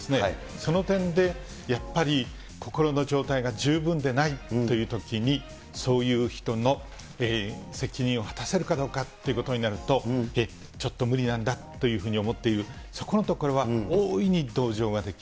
その点で、やっぱり心の状態が十分でないというときに、そういう人の責任を果たせるかどうかということになると、ちょっと無理なんだというふうに思っている、そこのところは大いに同情